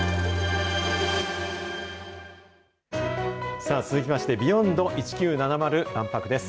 さあ、続きましてＢｅｙｏｎｄ１９７０万博です。